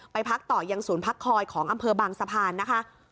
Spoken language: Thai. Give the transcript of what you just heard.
พักต่อยังศูนย์พักคอยของอำเภอบางสะพานนะคะ